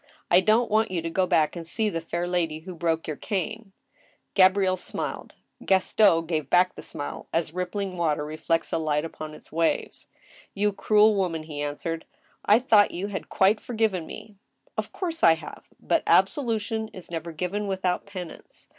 I don't want you to %o back and see the fair lady who broke your cane —" Gabrielle smiled. Gaston gave back the snule, as rippling water reflects a light upon its waves. " You cruel woman," he answered ;'* I thought you had quite forgiven me." " Of course I have. But absolution is never given without pen ance.